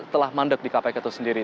telah mandek di kpk itu sendiri